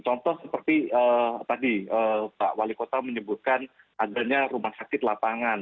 contoh seperti tadi pak wali kota menyebutkan adanya rumah sakit lapangan